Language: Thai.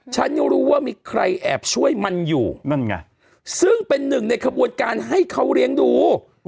ฉันยังรู้ว่ามีใครแอบช่วยมันอยู่นั่นไงซึ่งเป็นหนึ่งในขบวนการให้เขาเลี้ยงดู